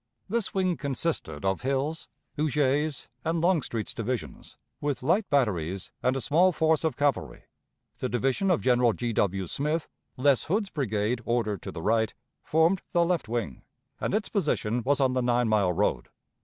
This wing consisted of Hill's, Huger's, and Longstreet's divisions, with light batteries, and a small force of cavalry; the division of General G. W. Smith, less Hood's brigade ordered to the right, formed the left wing, and its position was on the Nine mile road.